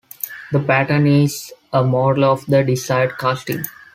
The pattern is a model of the desired casting.